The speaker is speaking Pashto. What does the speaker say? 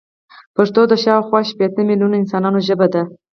پښتو د شاوخوا شپيته ميليونه انسانانو ژبه ده.